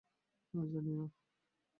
না, জানি না।